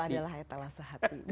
itu adalah etalas hati